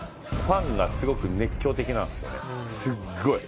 ファンがすごく熱狂的なんですよね